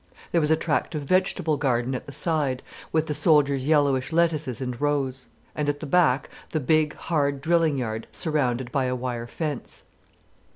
There was a tract of vegetable garden at the side, with the soldiers' yellowish lettuces in rows, and at the back the big, hard drilling yard surrounded by a wire fence.